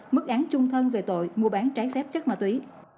mức án chung thân về tội mua bán trái xép chất ma túy